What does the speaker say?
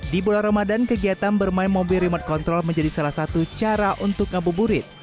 di bulan ramadan kegiatan bermain mobil remote control menjadi salah satu cara untuk ngabuburit